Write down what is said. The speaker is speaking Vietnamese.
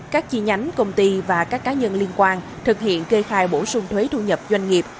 các chi nhánh công ty và các cá nhân liên quan thực hiện kê khai bổ sung thuế thu nhập doanh nghiệp